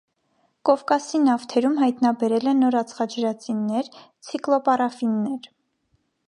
Կովկասի նավթերում հայտանաբերել է նոր ածխաջրածիններ՝ ցիկլոպարաֆիններ։